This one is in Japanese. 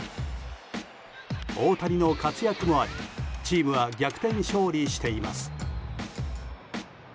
大谷の活躍もありチームは逆転勝利しています。